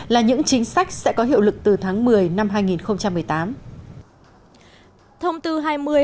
là những chính sách sẽ có hiệu lực từ tháng một mươi năm hai nghìn một mươi tám